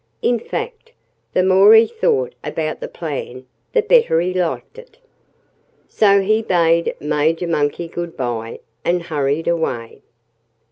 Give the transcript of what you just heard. In fact, the more he thought about the plan the better he liked it. So he bade Major Monkey good by and hurried away.